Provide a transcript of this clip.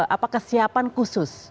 apa kesiapan khusus